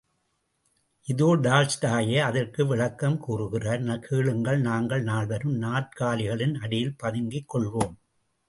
இதோ டால்ஸ்டாயே அதற்கு விளக்கம் கூறுகிறார் கேளுங்கள் நாங்கள் நால்வரும் நாற்காலிகளின் அடியில் பதுங்கிக் கொள்வோம்.